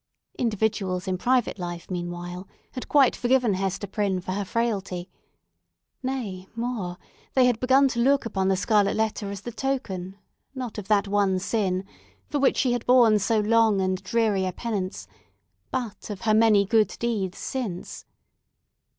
Individuals in private life, meanwhile, had quite forgiven Hester Prynne for her frailty; nay, more, they had begun to look upon the scarlet letter as the token, not of that one sin for which she had borne so long and dreary a penance, but of her many good deeds since.